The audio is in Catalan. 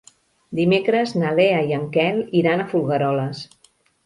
Dimecres na Lea i en Quel iran a Folgueroles.